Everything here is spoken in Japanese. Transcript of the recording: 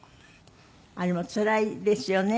あれもつらいですよね。